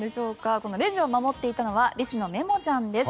このレジを守っていたのはリスのメモジャンです。